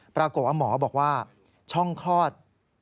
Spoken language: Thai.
ปรากฏว่าหมอบอกว่าช่องคลอด